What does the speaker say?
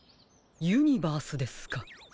ユニバースですか。